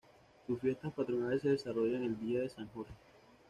Sus fiestas patronales se desarrollan el día de San Jorge.